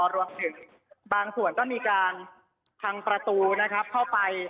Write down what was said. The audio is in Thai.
รวมถึงบางส่วนก็มีการพังประตูนะครับเข้าไป